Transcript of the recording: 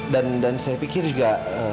dan dan saya pikir juga